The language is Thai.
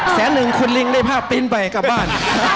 แสนนึงคุณลิงได้ผ้าปริ้นไปกลับบ้าน